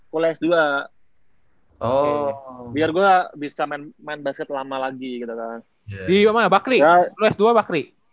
kuliah dua oh biar gua bisa main main basket lama lagi gitu kan di mana bakri lu s dua bakri